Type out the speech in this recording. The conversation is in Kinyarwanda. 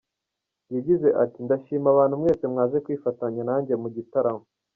Yagize ati “Ndashima abantu mwese mwaje kwifatanya nanjye mu gitaramo.